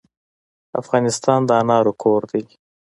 افغانستان د انارو کور دی.